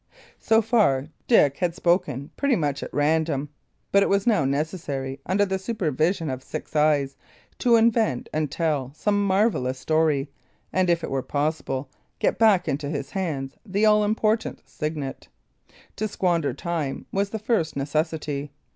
So far Dick had spoken pretty much at random; but it was now necessary, under the supervision of six eyes, to invent and tell some marvellous story, and, if it were possible, get back into his hands the all important signet. To squander time was the first necessity.